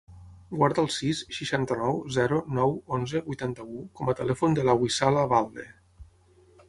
Guarda el sis, seixanta-nou, zero, nou, onze, vuitanta-u com a telèfon de la Wissal Abalde.